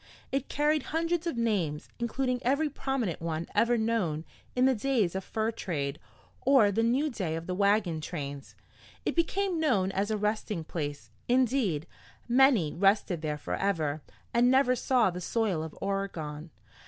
It carried hundreds of names, including every prominent one ever known in the days of fur trade or the new day of the wagon trains. It became known as a resting place; indeed, many rested there forever, and never saw the soil of Oregon.